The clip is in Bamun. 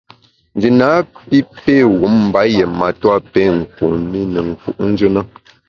Nji napi pé wum mba yié matua pé kum i ne nku’njù na.